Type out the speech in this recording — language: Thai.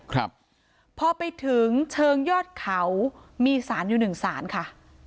ครับพอไปถึงเชิงยอดเขามีสารอยู่หนึ่งสารค่ะ